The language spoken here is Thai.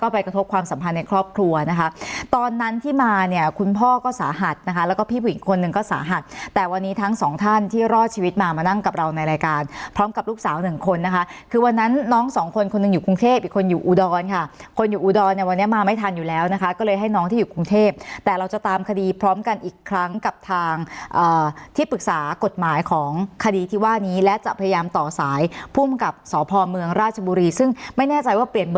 พบความสัมพันธ์ในครอบครัวนะคะตอนนั้นที่มาเนี่ยคุณพ่อก็สาหัสนะคะแล้วก็พี่ผู้หญิงคนหนึ่งก็สาหัสแต่วันนี้ทั้งสองท่านที่รอดชีวิตมามานั่งกับเราในรายการพร้อมกับลูกสาวหนึ่งคนนะคะคือวันนั้นน้องสองคนคนหนึ่งอยู่กรุงเทพอีกคนอยู่อูดอนค่ะคนอยู่อูดอนเนี่ยวันนี้มาไม่ทันอยู่แล้วนะคะก็เลยให้น้องที่อยู่กรุงเทพแต่เราจะ